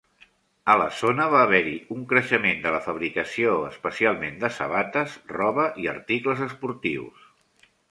A la zona va haver-hi un creixement de la fabricació, especialment de sabates, roba i articles esportius.